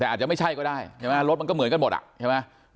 แต่อาจจะไม่ใช่ก็ได้ใช่ไหมรถมันก็เหมือนกันหมดอ่ะใช่ไหม